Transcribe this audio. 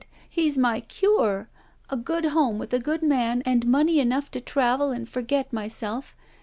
He's my cure. A good home with a good man and money enough to travel and forget myself.